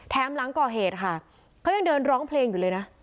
หลังก่อเหตุค่ะเขายังเดินร้องเพลงอยู่เลยนะ